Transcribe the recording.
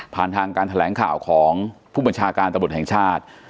ทางการแถลงข่าวของผู้บัญชาการตำรวจแห่งชาติ